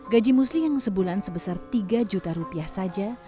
gaji musli yang sebulan sebesar tiga juta rupiah saja